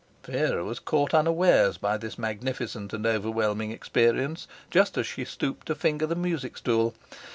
Vera was caught unawares by this magnificent and overwhelming experience, just as she stooped to finger the music stool.